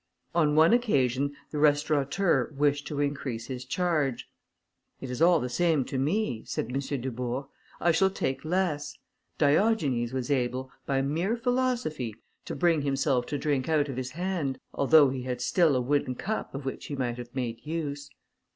On one occasion the restaurateur wished to increase his charge. "It is all the same to me," said M. Dubourg, "I shall take less; Diogenes was able, by mere philosophy, to bring himself to drink out of his hand, although he had still a wooden cup of which he might have made use."